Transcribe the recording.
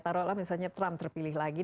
taruhlah misalnya trump terpilih lagi